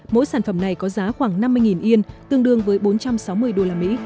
mỗi sản phẩm này có giá khoảng năm mươi yên tương đương với bốn trăm sáu mươi usd